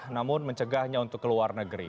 namun mencegahnya untuk keluar negeri